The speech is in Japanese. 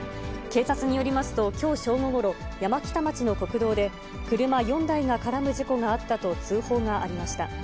警察によりますと、きょう正午ごろ、山北町の国道で、車４台が絡む事故があったと通報がありました。